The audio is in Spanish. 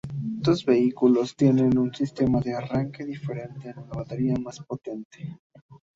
Estos vehículos tienen un sistema de arranque diferente y una batería más potente.